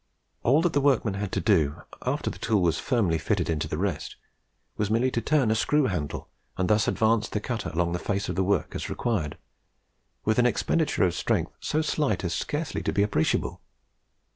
All that the workman had to do, after the tool was firmly fitted into the rest, was merely to turn a screw handle, and thus advance the cutter along the face of the work as required, with an expenditure of strength so slight as scarcely to be appreciable.